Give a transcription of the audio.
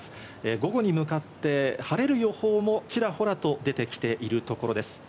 午後に向かって晴れる予報もちらほらと出てきているところです。